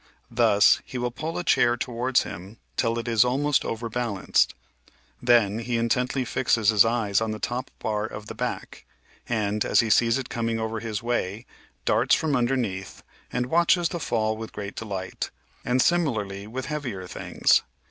Thus, he wiU pull a chair towards him till it is almost overbalanced; then he intently fixes his eyes on the top bar of the back ; and, as he sees it coming over his way, darts from underneath, and watches the fall with great delight ; and similarly, with heavier things.